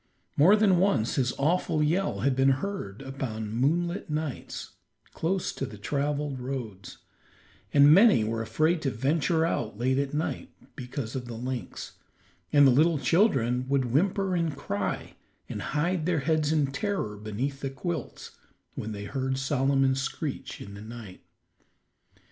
More than once his awful yell had been heard upon moonlight nights close to the traveled roads, and many were afraid to venture out late at night because of the lynx, and the little children would whimper and cry, and hide their heads in terror beneath the quilts, when they heard Solomon's screech in the night.